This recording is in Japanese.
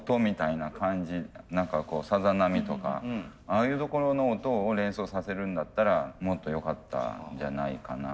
何かさざ波とかああいうところの音を連想させるんだったらもっとよかったんじゃないかな。